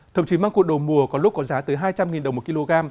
thậm chí măng cụt đầu mùa có lúc có giá tới hai trăm linh đồng một kg